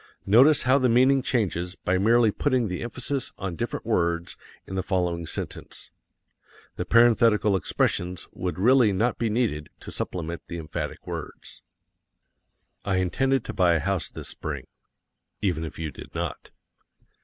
Notice how the meaning changes by merely putting the emphasis on different words in the following sentence. The parenthetical expressions would really not be needed to supplement the emphatic words. I intended to buy a house this Spring (even if you did not).